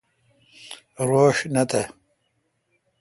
روݭ تہ نہ۔